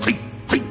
はい！